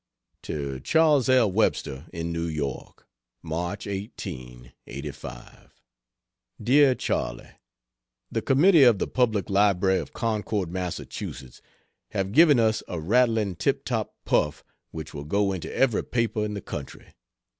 To Chas. L. Webster, in New York: Mch 18, '85. DEAR CHARLEY, The Committee of the Public Library of Concord, Mass, have given us a rattling tip top puff which will go into every paper in the country.